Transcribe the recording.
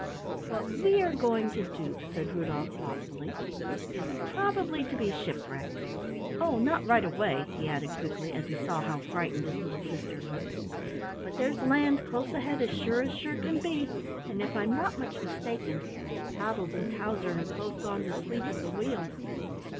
"What we are going to do," said Rudolf thoughtfully, "is probably to be shipwrecked. Oh, not right away," he added quickly as he saw how frightened his little sister looked. "But there's land close ahead, as sure as sure can be, and, if I'm not much mistaken, Toddles and Towser have both gone to sleep at the wheel."